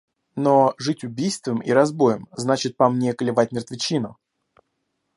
– Но жить убийством и разбоем значит, по мне, клевать мертвечину.